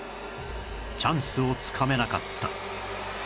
チャンスをつかめなかった